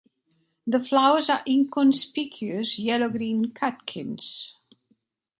The flowers are inconspicuous yellow-green catkins.